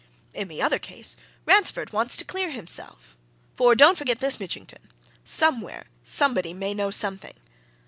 In the other case, Ransford wants to clear himself. For don't forget this, Mitchington! somewhere, somebody may know something!